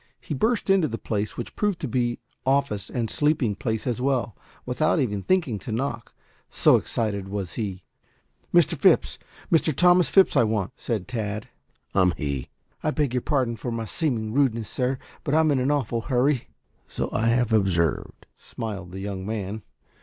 He burst into the place, which proved to be office and sleeping place as well, without even thinking to knock, so excited was he. A young man, who sat studying a map, glanced up in surprise. "Mr. Phipps Mr. Thomas Phipps, I want," said Tad. "I am he." "I beg your pardon for my seeming rudeness, sir, but I'm in an awful hurry." "So I have observed," smiled the young man.